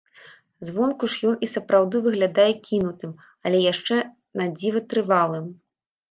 Звонку ж ён і сапраўды выглядае кінутым, але яшчэ надзіва трывалым.